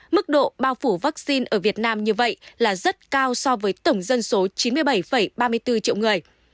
mức độ bao phủ vaccine ở việt nam như vậy là rất cao so với tổng dân số chín mươi bảy ba mươi bốn triệu người